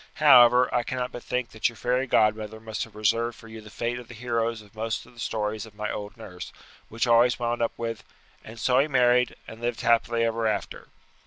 However, I cannot but think that your fairy godmother must have reserved for you the fate of the heroes of most of the stories of my old nurse, which always wound up with 'and so he married, and lived happily ever after.'